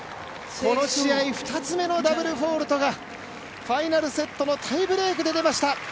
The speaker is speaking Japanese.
この試合２つ目のダブルフォルトがファイナルセットのタイブレークで出ました。